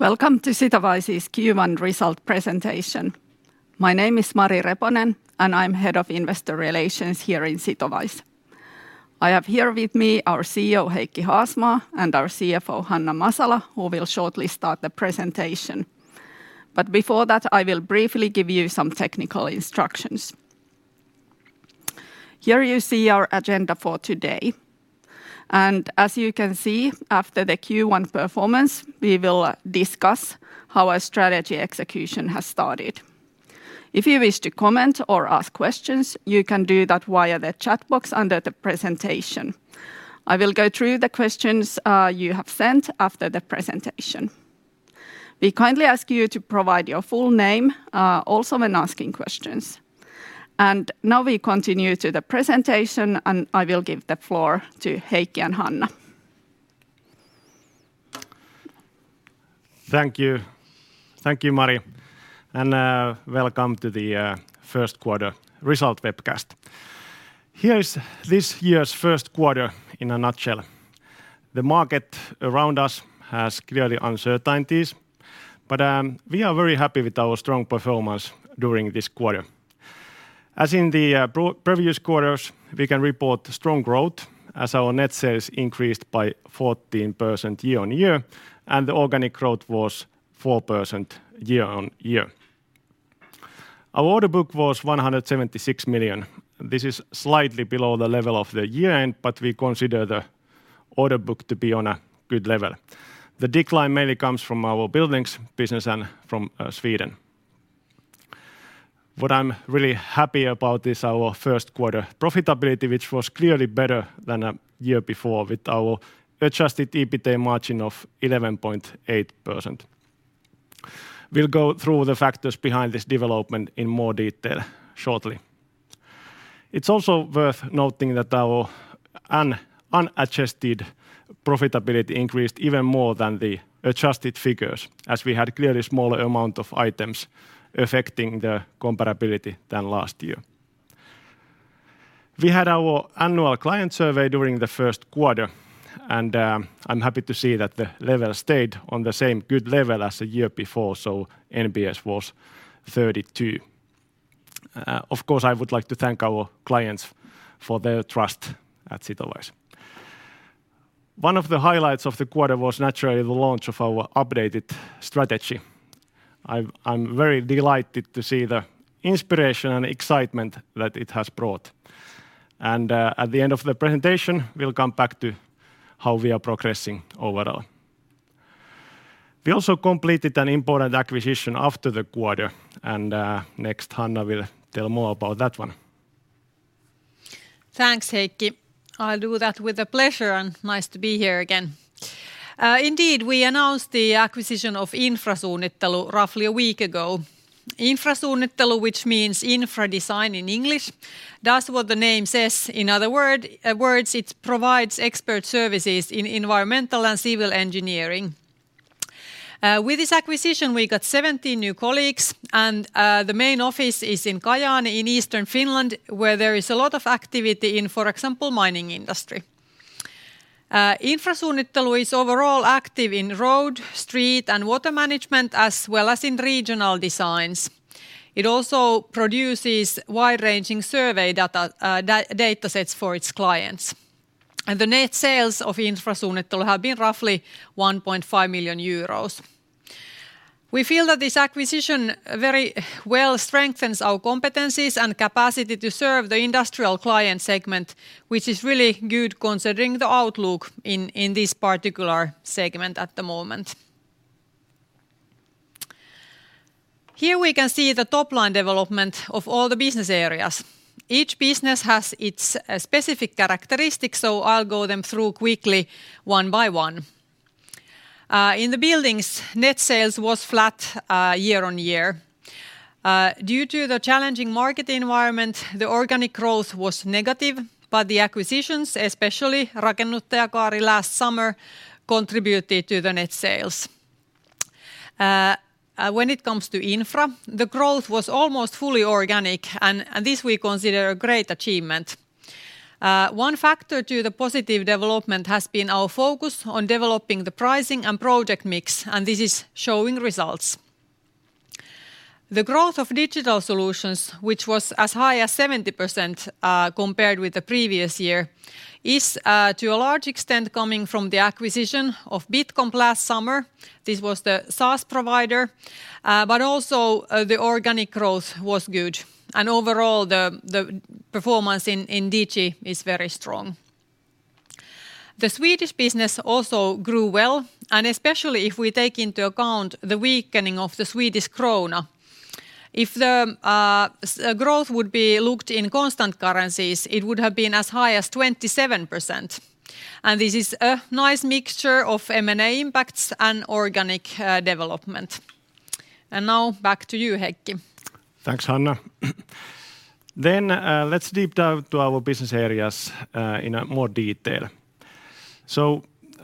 Welcome to Sitowise's Q1 Result Presentation. My name is Mari Reponen, and I'm head of investor relations here in Sitowise. I have here with me our CEO; Heikki Haasmaa, and our CFO; Hanna Masala, who will shortly start the presentation. Before that, I will briefly give you some technical instructions. Here you see our agenda for today, and as you can see, after the Q1 performance, we will discuss how our strategy execution has started. If you wish to comment or ask questions, you can do that via the chat box under the presentation. I will go through the questions you have sent after the presentation. We kindly ask you to provide your full name also when asking questions. Now we continue to the presentation, and I will give the floor to Heikki and Hanna. Thank you. Thank you, Mari, and welcome to the First Quarter Result Webcast. Here is this year's first quarter in a nutshell. The market around us has clearly uncertainties, but we are very happy with our strong performance during this quarter. As in the previous quarters, we can report strong growth as our Net Sales increased by 14% year-on-year and the organic growth was 4% year-on-year. Our Order Book was 176 million. This is slightly below the level of the year-end, but we consider the Order Book to be on a good level. The decline mainly comes from our buildings business and from Sweden. What I'm really happy about is our first quarter Profitability, which was clearly better than a year before with our Adjusted EBITDA margin of 11.8%. We'll go through the factors behind this development in more detail shortly. It's also worth noting that our unadjusted Profitability increased even more than the adjusted figures as we had clearly smaller amount of items affecting the comparability than last year. We had our annual client survey during the first quarter, and I'm happy to see that the level stayed on the same good level as the year before, so NPS was 32. Of course, I would like to thank our clients for their trust at Sitowise. One of the highlights of the quarter was naturally the launch of our updated strategy. I'm very delighted to see the inspiration and excitement that it has brought, and at the end of the presentation, we'll come back to how we are progressing overall. We also completed an important acquisition after the quarter, and, next Hanna will tell more about that one. Thanks, Heikki. I'll do that with a pleasure, nice to be here again. Indeed, we announced the acquisition of Infrasuunnittelu roughly a week ago. Infrasuunnittelu, which means infra design in English, does what the name says. In other words, it provides expert services in environmental and civil engineering. With this acquisition, we got 70 new colleagues and the main office is in Kajaani in Eastern Finland, where there is a lot of activity in, for example, mining industry. Infrasuunnittelu is overall active in road, street, and water management as well as in regional designs. It also produces wide-ranging survey datasets for its clients. The Net Sales of Infrasuunnittelu have been roughly 1.5 million euros. We feel that this acquisition very well strengthens our competencies and capacity to serve the industrial client segment, which is really good considering the outlook in this particular segment at the moment. Here we can see the top-line development of all the business areas. Each business has its specific characteristics, so I'll go them through quickly one by one. In the buildings, Net Sales was flat year on year. Due to the challenging market environment, the organic growth was negative, but the acquisitions, especially Rakennuttajakaari last summer, contributed to the Net Sales. When it comes to infra, the growth was almost fully organic and this we consider a great achievement. One factor to the positive development has been our focus on developing the pricing and project mix, and this is showing results. The growth of digital solutions, which was as high as 70%, compared with the previous year, is to a large extent coming from the acquisition of Bitcomp last summer. This was the SaaS provider, but also, the organic growth was good, and overall, the performance in digi is very strong. The Swedish business also grew well, and especially if we take into account the weakening of the Swedish krona. If the growth would be looked in constant currencies, it would have been as high as 27%, and this is a nice mixture of M&A impacts and organic development. Now back to you, Heikki. Thanks, Hanna. Let's deep dive to our business areas, in, more detail.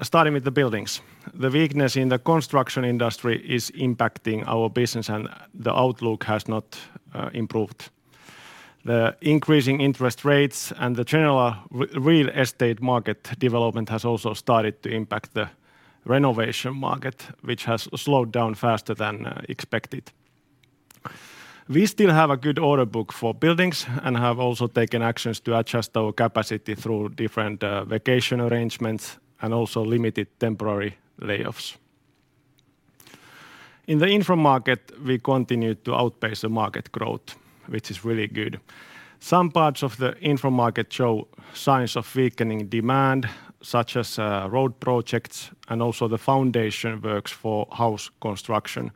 Starting with the buildings. The weakness in the construction industry is impacting our business, and the outlook has not improved. The increasing interest rates and the general real estate market development has also started to impact the renovation market, which has slowed down faster than expected. We still have a good Order Book for buildings and have also taken actions to adjust our capacity through different vacation arrangements and also limited temporary layoffs. In the info market, we continue to outpace the market growth, which is really good. Some parts of the info market show signs of weakening demand, such as road projects and also the foundation works for house construction.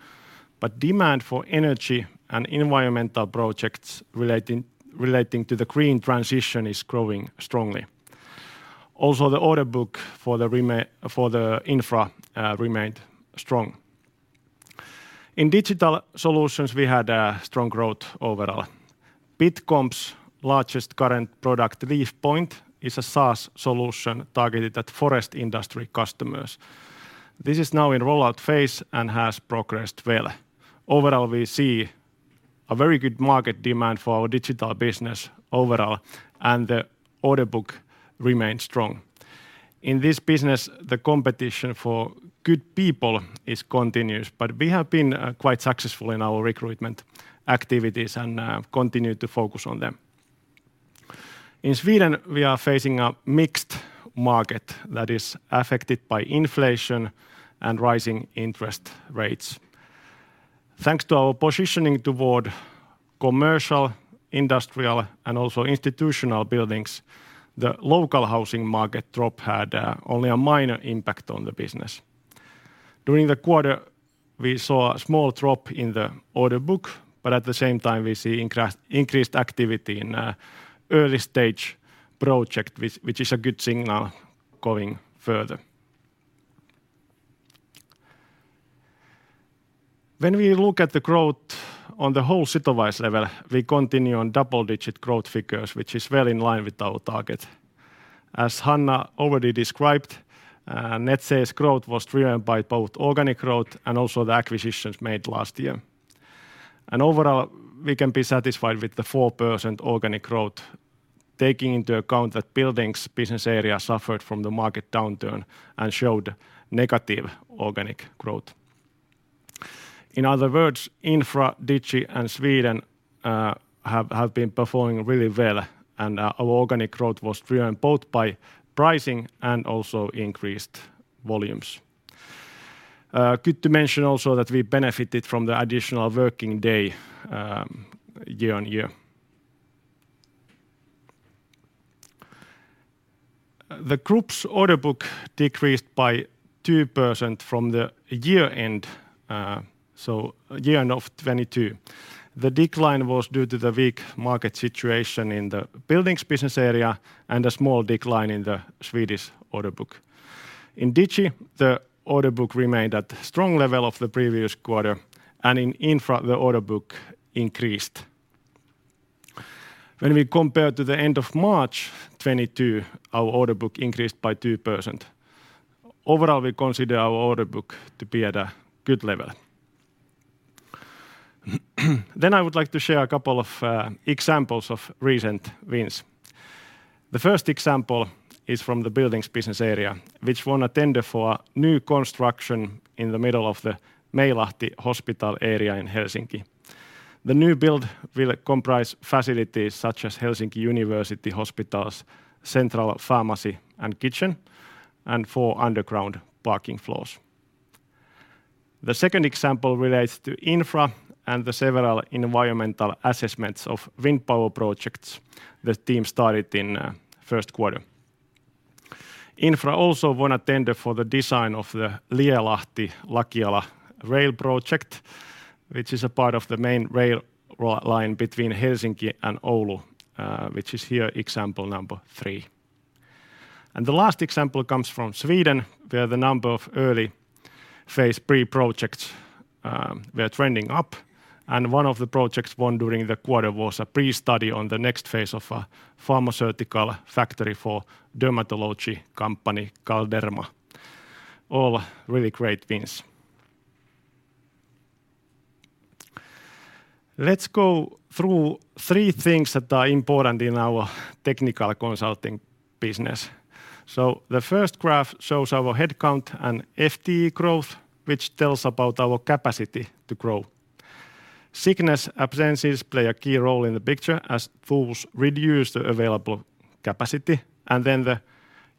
Demand for energy and environmental projects relating to the green transition is growing strongly. Also, the Order Book for the infra remained strong. In digital solutions, we had a strong growth overall. Bitcomp's largest current product, LeafPoint, is a SaaS solution targeted at forest industry customers. This is now in rollout phase and has progressed well. Overall, we see a very good market demand for our digital business overall, and the Order Book remains strong. In this business, the competition for good people is continuous, but we have been quite successful in our recruitment activities and continue to focus on them. In Sweden, we are facing a mixed market that is affected by inflation and rising interest rates. Thanks to our positioning toward commercial, industrial, and also institutional buildings, the local housing market drop had only a minor impact on the business. During the quarter, we saw a small drop in the Order Book. At the same time, we see increased activity in a early-stage project which is a good signal going further. When we look at the growth on the whole Sitowise level, we continue on double-digit growth figures, which is well in line with our target. As Hanna already described, Net Sales growth was driven by both organic growth and also the acquisitions made last year. Overall, we can be satisfied with the 4% organic growth, taking into account that Buildings business area suffered from the market downturn and showed negative organic growth. In other words, Infra, Digi, and Sweden have been performing really well, and our organic growth was driven both by pricing and also increased volumes. Good to mention also that we benefited from the additional working day, year-on-year. The group's Order Book decreased by 2% from the year-end, so year-end of 2022. The decline was due to the weak market situation in the buildings business area and a small decline in the Swedish Order Book. In Digi, the Order Book remained at strong level of the previous quarter, and in Infra, the Order Book increased. When we compare to the end of March 2022, our Order Book increased by 2%. Overall, we consider our Order Book to be at a good level. I would like to share a couple of examples of recent wins. The first example is from the buildings business area, which won a tender for a new construction in the middle of the Meilahti hospital area in Helsinki. The new build will comprise facilities such as Helsinki University Hospital's central pharmacy and kitchen and four underground parking floors. The second example relates to Infra and the several environmental assessments of wind power projects the team started in first quarter. Infra also won a tender for the design of the Lielahti–Lakiala rail project, which is a part of the main rail line between Helsinki and Oulu, which is here example number three. The last example comes from Sweden, where the number of early-phase pre-projects were trending up, and one of the projects won during the quarter was a pre-study on the next phase of a pharmaceutical factory for dermatology company Galderma. All really great wins. Let's go through three things that are important in our technical consulting business. The first graph shows our headcount and FTE growth, which tells about our capacity to grow. Sickness absences play a key role in the picture, as those reduce the available capacity, and then the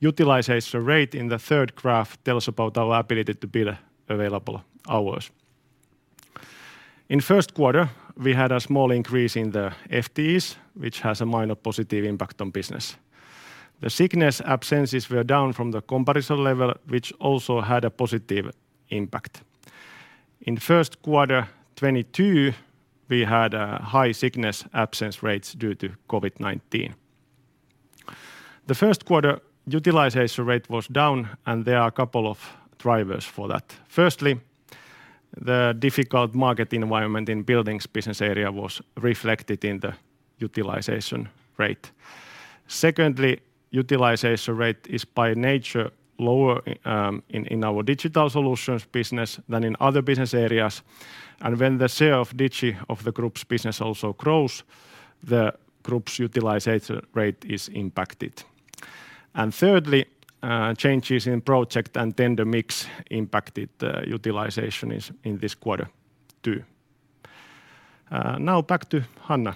utilization rate in the third graph tells about our ability to build available hours. In first quarter, we had a small increase in the FTEs, which has a minor positive impact on business. The sickness absences were down from the comparison level, which also had a positive impact. In first quarter 2022, we had high sickness absence rates due to COVID-19. The first quarter utilization rate was down, and there are a couple of drivers for that. Firstly, the difficult market environment in buildings business area was reflected in the utilization rate. Secondly, utilization rate is by nature lower in our Digital Solutions business than in other business areas. When the sale of Digi, of the group's business also grows, the group's utilization rate is impacted. Thirdly, changes in project and tender mix impacted the utilization in this quarter too. Now back to Hanna.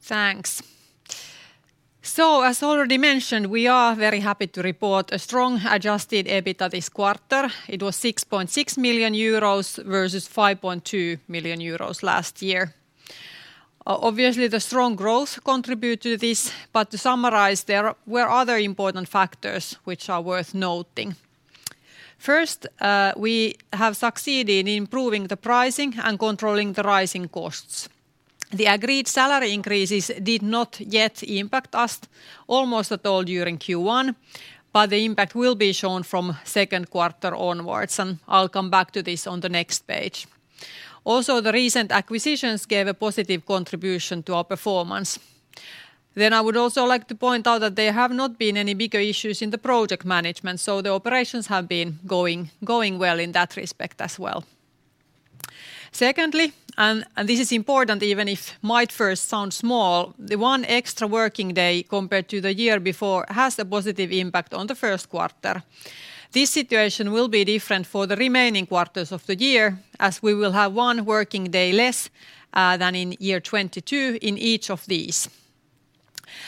Thanks. As already mentioned, we are very happy to report a strong Adjusted EBITDA this quarter. It was 6.6 million euros versus 5.2 million euros last year. Obviously, the strong growth contribute to this, but to summarize, there were other important factors which are worth noting. First, we have succeeded in improving the pricing and controlling the rising costs. The agreed salary increases did not yet impact us almost at all during Q1, but the impact will be shown from second quarter onwards, and I'll come back to this on the next page. The recent acquisitions gave a positive contribution to our performance. I would also like to point out that there have not been any bigger issues in the project management, so the operations have been going well in that respect as well. This is important even if might first sound small, the one extra working day compared to the year before has a positive impact on the first quarter. This situation will be different for the remaining quarters of the year, as we will have one working day less than in year 2022 in each of these.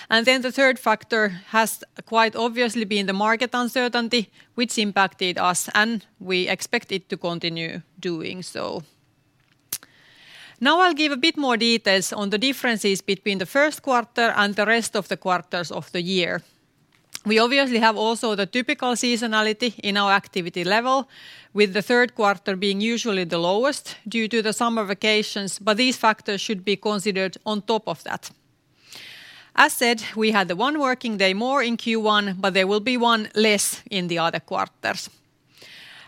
The third factor has quite obviously been the market uncertainty, which impacted us, and we expect it to continue doing so. I'll give a bit more details on the differences between the first quarter and the rest of the quarters of the year. We obviously have also the typical seasonality in our activity level, with the third quarter being usually the lowest due to the summer vacations, these factors should be considered on top of that. As said, we had one working day more in Q1, there will be one less in the other quarters.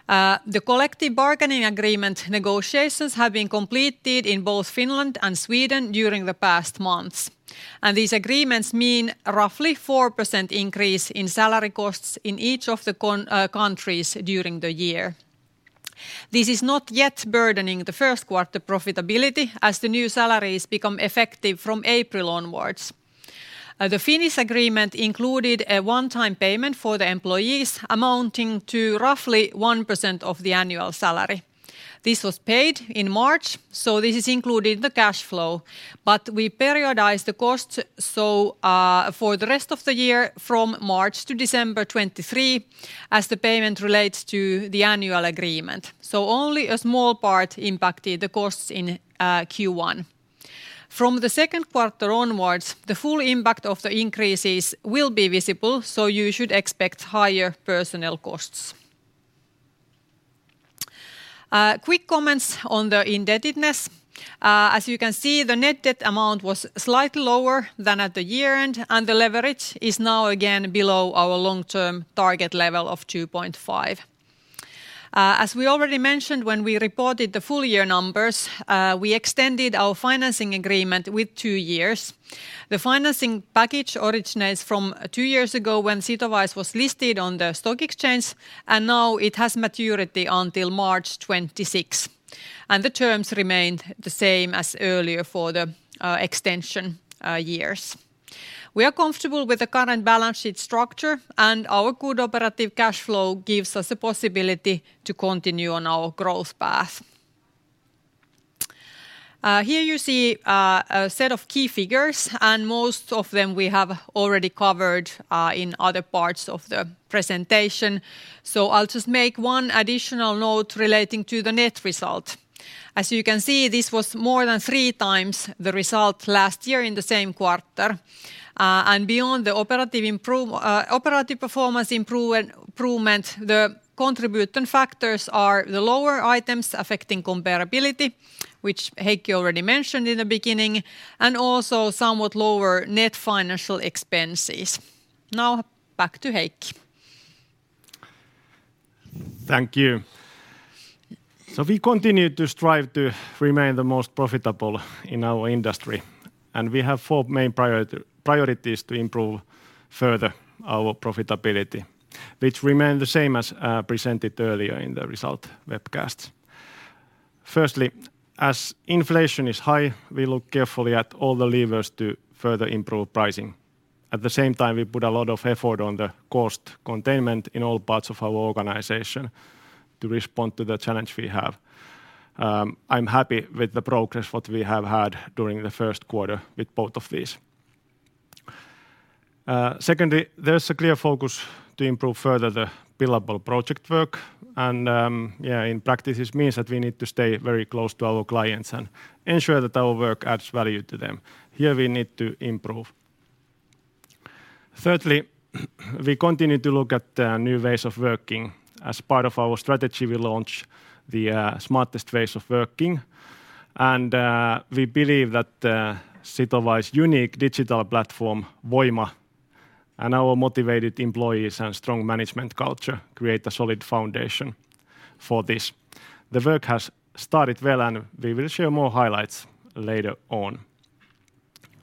The collective bargaining agreement negotiations have been completed in both Finland and Sweden during the past months, these agreements mean roughly 4% increase in salary costs in each of the countries during the year. This is not yet burdening the first quarter Profitability, as the new salaries become effective from April onwards. The Finnish agreement included a one-time payment for the employees amounting to roughly 1% of the annual salary. This was paid in March, this is included in the cash flow. We periodized the cost, so, for the rest of the year from March to December 2023, as the payment relates to the annual agreement. Only a small part impacted the costs in Q1. From the second quarter onwards, the full impact of the increases will be visible, you should expect higher personnel costs. Quick comments on the indebtedness. As you can see, the net debt amount was slightly lower than at the year-end, the leverage is now again below our long-term target level of 2.5. As we already mentioned when we reported the full year numbers, we extended our financing agreement with two years. The financing package originates from two years ago when Sitowise was listed on the stock exchange, now it has maturity until March 2026, the terms remained the same as earlier for the extension years. We are comfortable with the current balance sheet structure, our good operative cash flow gives us a possibility to continue on our growth path. Here you see a set of key figures, and most of them we have already covered in other parts of the presentation. I'll just make one additional note relating to the net result. As you can see, this was more than three times the result last year in the same quarter. Beyond the operative performance improvement, the contribution factors are the lower items affecting comparability, which Heikki already mentioned in the beginning, and also somewhat lower net financial expenses. Back to Heikki. Thank you. We continue to strive to remain the most profitable in our industry, and we have 4 main priorities to improve further our Profitability, which remain the same as presented earlier in the result webcast. As inflation is high, we look carefully at all the levers to further improve pricing. At the same time, we put a lot of effort on the cost containment in all parts of our organization to respond to the challenge we have. I'm happy with the progress what we have had during the first quarter with both of these. Secondly, there's a clear focus to improve further the billable project work, and in practice this means that we need to stay very close to our clients and ensure that our work adds value to them. Here we need to improve. Thirdly, we continue to look at new ways of working. As part of our strategy, we launch the smartest ways of working. We believe that Sitowise unique digital platform, Voima, our motivated employees and strong management culture create a solid foundation for this. The work has started well, and we will share more highlights later on.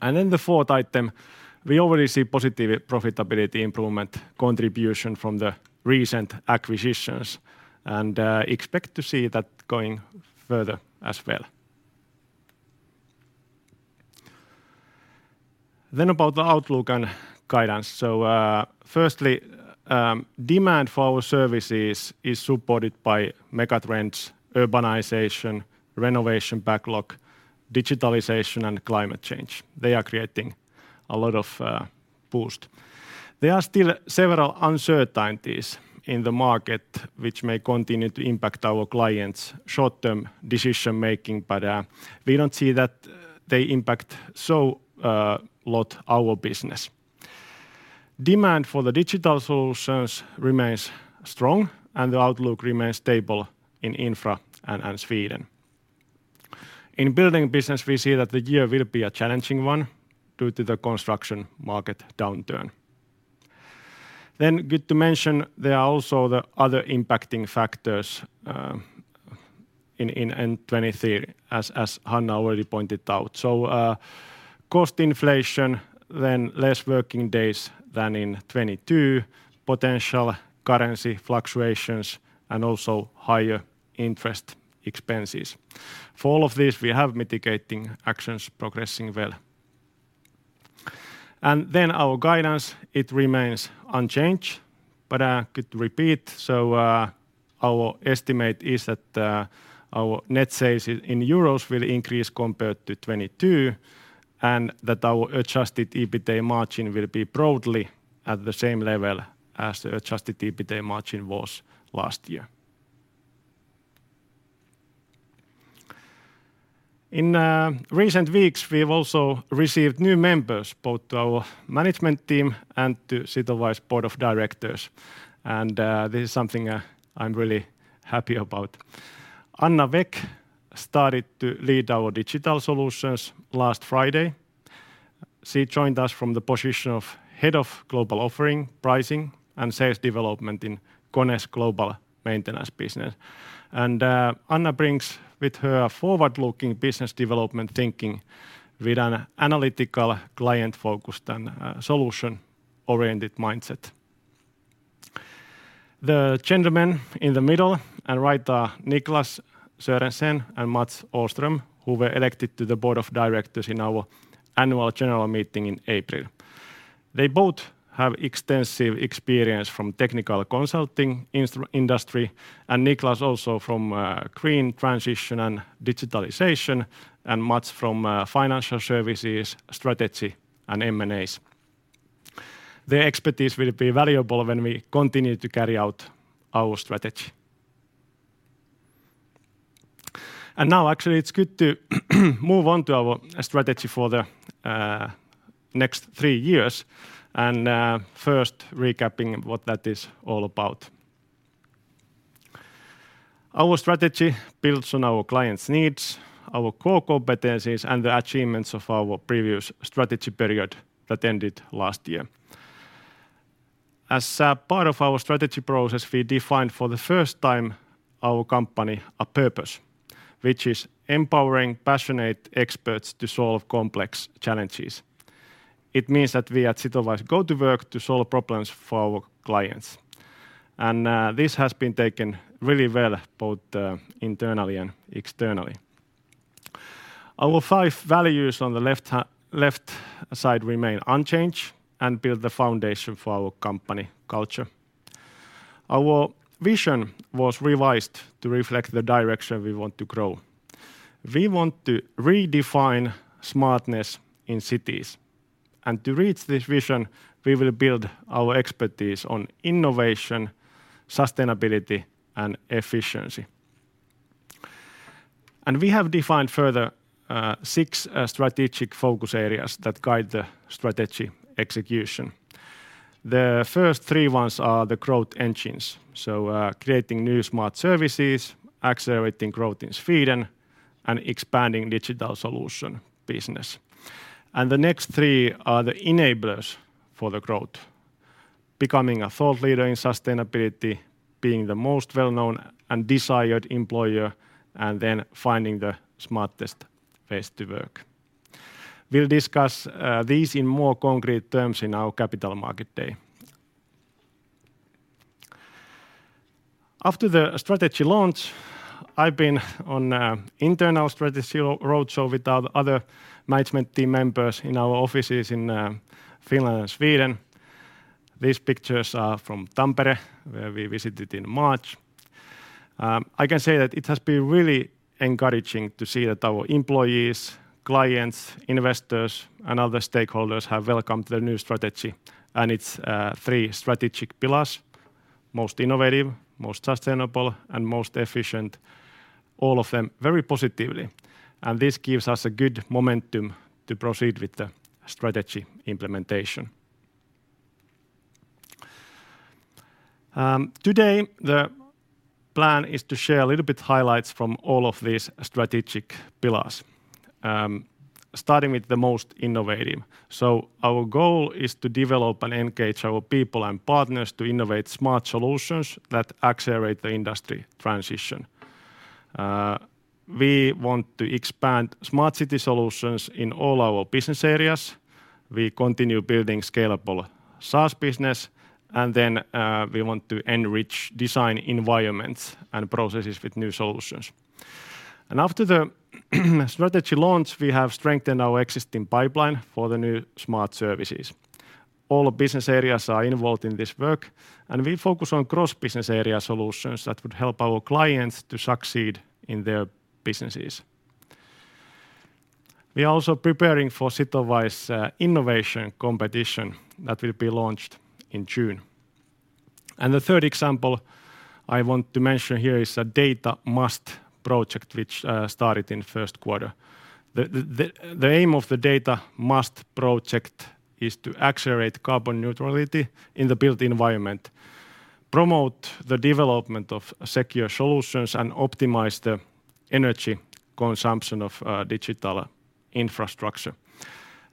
The fourth item, we already see positive Profitability improvement contribution from the recent acquisitions and expect to see that going further as well. About the outlook and guidance. Firstly, demand for our services is supported by megatrends, urbanization, renovation backlog, digitalization, and climate change. They are creating a lot of boost. There are still several uncertainties in the market which may continue to impact our clients' short-term decision-making, we don't see that they impact so lot our business. Demand for the digital solutions remains strong. The outlook remains stable in Infra and Sweden. In building business, we see that the year will be a challenging one due to the construction market downturn. Good to mention there are also the other impacting factors in 2023 as Hanna already pointed out. Cost inflation, then less working days than in 2022, potential currency fluctuations, and also higher interest expenses. For all of this, we have mitigating actions progressing well. Our guidance, it remains unchanged, but I could repeat. Our estimate is that our Net Sales in EUR will increase compared to 2022 and that our Adjusted EBITDA margin will be broadly at the same level as the Adjusted EBITDA margin was last year. In recent weeks, we've also received new members, both to our management team and to Sitowise board of directors. This is something I'm really happy about. Anna Wäck started to lead our digital solutions last Friday. She joined us from the position of Head of Global Offering, Pricing, and Sales Development in KONE's global maintenance business. Anna brings with her a forward-looking business development thinking with an analytical client-focused and solution-oriented mindset. The gentlemen in the middle and right are Niklas Sörensen and Mats Åström, who were elected to the board of directors in our annual general meeting in April. They both have extensive experience from technical consulting industry, and Niklas also from green transition and digitalization, and Mats from financial services, strategy, and M&As. Their expertise will be valuable when we continue to carry out our strategy. Now actually it's good to move on to our strategy for the next three years, and first recapping what that is all about. Our strategy builds on our clients' needs, our core competencies, and the achievements of our previous strategy period that ended last year. As a part of our strategy process, we defined for the first time our company a purpose, which is empowering passionate experts to solve complex challenges. It means that we at Sitowise go to work to solve problems for our clients. This has been taken really well both internally and externally. Our five values on the left side remain unchanged and build the foundation for our company culture. Our vision was revised to reflect the direction we want to grow. We want to redefine smartness in cities. To reach this vision, we will build our expertise on innovation, sustainability, and efficiency. We have defined further 6 strategic focus areas that guide the strategy execution. The first 3 ones are the growth engines, so creating new smart services, accelerating growth in Sweden, and expanding digital solution business. The next three are the enablers for the growth: becoming a thought leader in sustainability, being the most well-known and desired employer, finding the smartest place to work. We'll discuss these in more concrete terms in our capital market day. After the strategy launch, I've been on a internal strategy roadshow with our other management team members in our offices in Finland and Sweden. These pictures are from Tampere, where we visited in March. I can say that it has been really encouraging to see that our employees, clients, investors, and other stakeholders have welcomed the new strategy and its three strategic pillars, most innovative, most sustainable, and most efficient, all of them very positively. This gives us a good momentum to proceed with the strategy implementation. Today the plan is to share a little bit highlights from all of these strategic pillars, starting with the most innovative. Our goal is to develop and engage our people and partners to innovate smart solutions that accelerate the industry transition. We want to expand smart city solutions in all our business areas. We continue building scalable SaaS business, we want to enrich design environments and processes with new solutions. After the strategy launch, we have strengthened our existing pipeline for the new smart services. All business areas are involved in this work. We focus on cross-business area solutions that would help our clients to succeed in their businesses. We are also preparing for Sitowise innovation competition that will be launched in June. The third example I want to mention here is the DataMust project which started in first quarter. The aim of the DataMust project is to accelerate carbon neutrality in the built environment, promote the development of secure solutions, and optimize the energy consumption of digital infrastructure.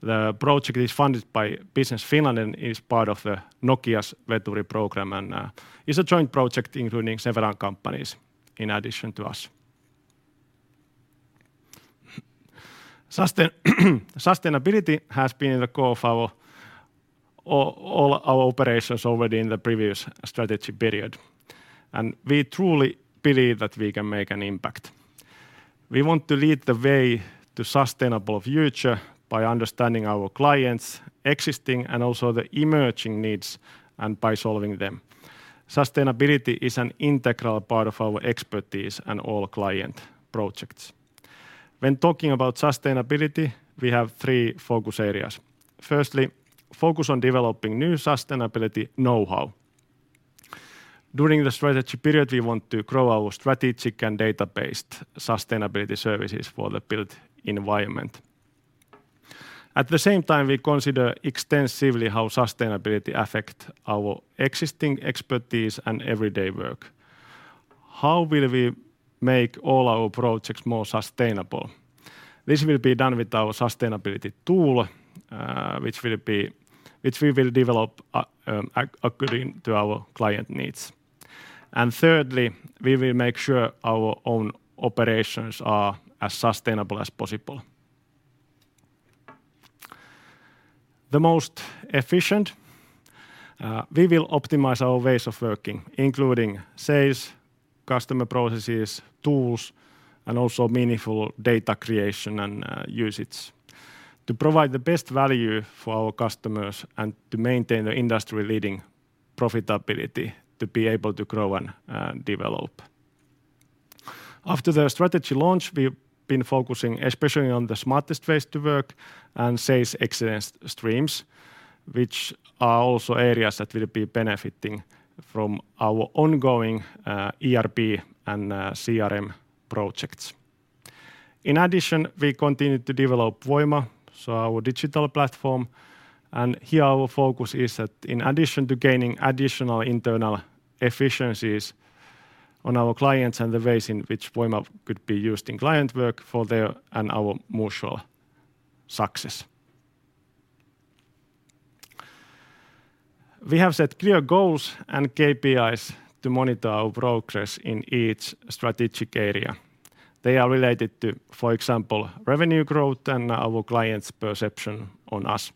The project is funded by Business Finland and is part of the Nokia's Veturi program, and is a joint project including several companies in addition to us. Sustainability has been in the core of our all our operations already in the previous strategy period. We truly believe that we can make an impact. We want to lead the way to sustainable future by understanding our clients' existing and also the emerging needs and by solving them. Sustainability is an integral part of our expertise and all client projects. When talking about sustainability, we have three focus areas. Firstly, focus on developing new sustainability know-how. During the strategy period, we want to grow our strategic and data-based sustainability services for the built environment. At the same time, we consider extensively how sustainability affect our existing expertise and everyday work. How will we make all our projects more sustainable? This will be done with our sustainability tool, which we will develop according to our client needs. Thirdly, we will make sure our own operations are as sustainable as possible. The most efficient, we will optimize our ways of working, including sales, customer processes, tools, and also meaningful data creation and usage to provide the best value for our customers and to maintain the industry-leading Profitability to be able to grow and develop. After the strategy launch, we've been focusing especially on the smartest ways to work and sales excellence streams, which are also areas that will be benefiting from our ongoing ERP and CRM projects. In addition, we continue to develop Voima, so our digital platform, and here our focus is that in addition to gaining additional internal efficiencies on our clients and the ways in which Voima could be used in client work for their and our mutual success. We have set clear goals and KPIs to monitor our progress in each strategic area. They are related to, for example, revenue growth and our clients' perception on us.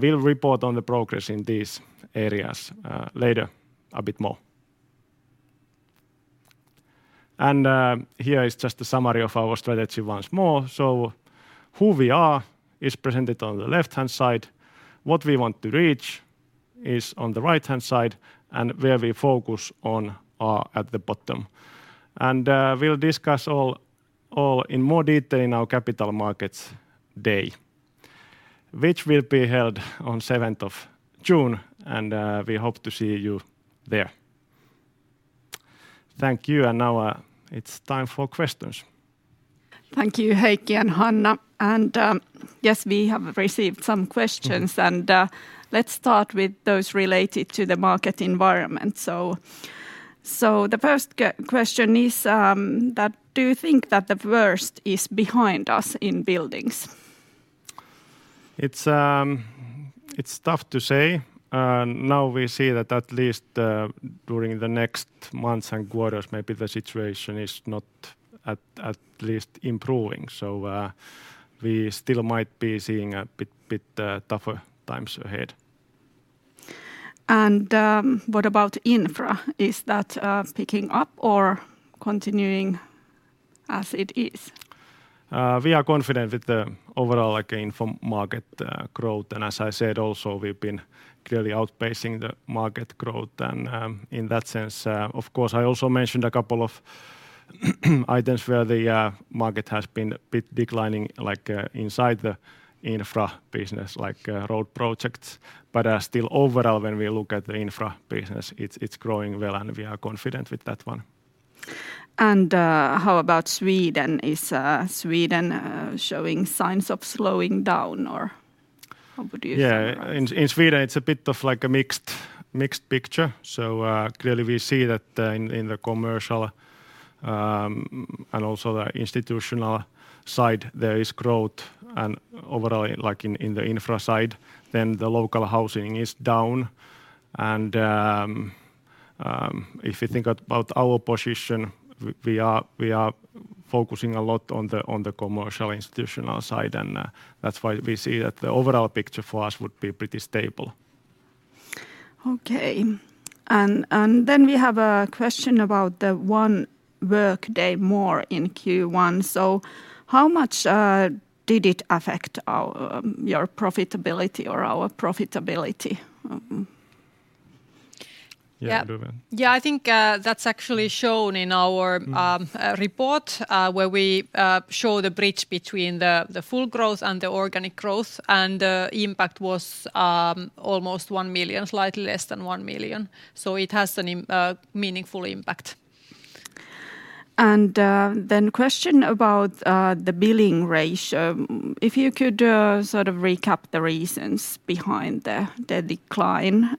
We'll report on the progress in these areas later a bit more. Here is just a summary of our strategy once more. Who we are is presented on the left-hand side, what we want to reach is on the right-hand side, and where we focus on are at the bottom. We'll discuss all in more detail in our Capital Markets Day, which will be held on 7 of June, we hope to see you there. Thank you, now it's time for questions. Thank you, Heikki and Hanna. Yes, we have received some questions. Mm-hmm. Let's start with those related to the market environment. The first question is, that do you think that the worst is behind us in buildings? It's tough to say. Now we see that at least, during the next months and quarters, maybe the situation is not at least improving, so, we still might be seeing a bit tougher times ahead. What about infra? Is that picking up or continuing as it is? We are confident with the overall, like, infra market growth. As I said also, we've been clearly outpacing the market growth. In that sense, of course, I also mentioned a couple of items where the market has been a bit declining, like, inside the infra business, like, road projects. Still overall when we look at the infra business, it's growing well, and we are confident with that one. How about Sweden? Is, Sweden, showing signs of slowing down or how would you summarize? Yeah. In Sweden it's a bit of like a mixed picture. Clearly we see that in the commercial and also the institutional side there is growth, and overall, like in the infra side. The local housing is down. If you think about our position, we are focusing a lot on the commercial institutional side, and that's why we see that the overall picture for us would be pretty stable. Okay. We have a question about the one work day more in Q1. How much did it affect your Profitability or our Profitability? Yeah. Yeah. Yeah. I think, that's actually shown in our- Mm... report, where we show the bridge between the full growth and the organic growth. The impact was almost 1 million, slightly less than 1 million. It has a meaningful impact. Question about the billing ratio. If you could sort of recap the reasons behind the decline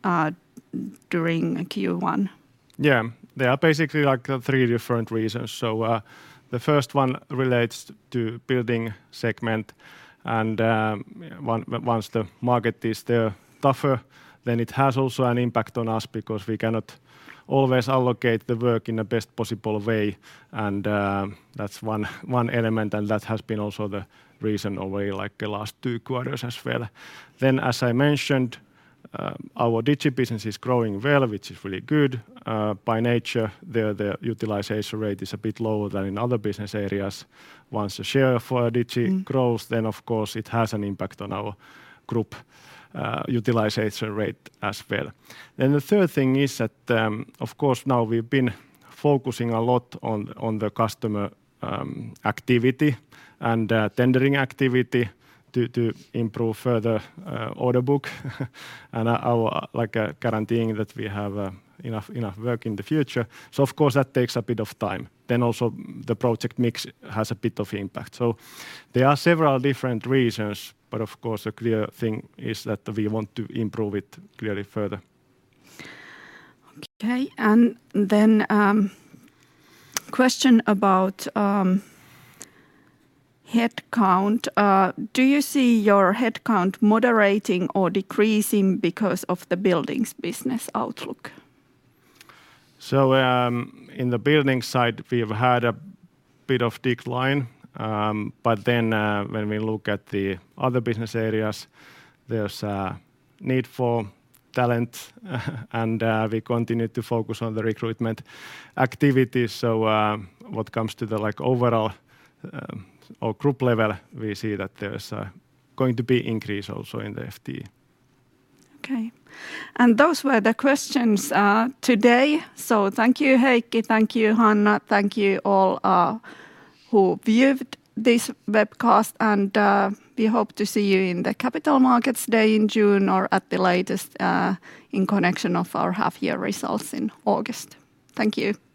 during Q1? Yeah, there are basically like three different reasons. The first one relates to building segment, once the market is there tougher, then it has also an impact on us because we cannot always allocate the work in the best possible way, that's one element, and that has been also the reason over like the last two quarters as well. As I mentioned, our digi business is growing well, which is really good. By nature, the utilization rate is a bit lower than in other business areas. Once a share for digi. Mm... grows, then of course it has an impact on our Group utilization rate as well. The third thing is that, of course now we've been focusing a lot on the customer activity and tendering activity to improve further Order Book, and our, like, guaranteeing that we have enough work in the future. Of course that takes a bit of time. Also the project mix has a bit of impact. There are several different reasons, but of course a clear thing is that we want to improve it clearly further. Okay. Question about headcount. Do you see your headcount moderating or decreasing because of the buildings business outlook? In the buildings side we've had a bit of decline. When we look at the other business areas, there's a need for talent, and we continue to focus on the recruitment activities. What comes to the, like, overall, or group level, we see that there's a going to be increase also in the FTE. Okay. Those were the questions, today. Thank you, Heikki, thank you, Hanna, thank you all, who viewed this webcast. We hope to see you in the Capital Markets Day in June or at the latest, in connection of our half-year results in August. Thank you.